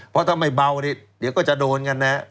เพราะถ้าไม่เบานี่เดี๋ยวก็จะโดนกันนะ